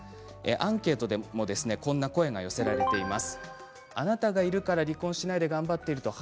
アンケートでもこんな声が寄せられています。